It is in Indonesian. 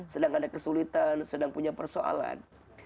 sedang ada kesulitan sedang punya persoalan